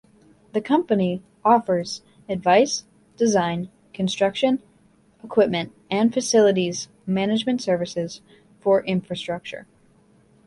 The company offers advice, design, construction, equipment and facilities management services for infrastructure.